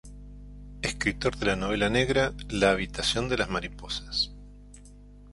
Escritor de la novela negra La habitación de las mariposas.